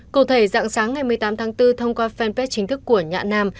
cụ thể dạng sáng ngày một mươi tám tháng bốn thông qua fanpage chính thức của nhạ nam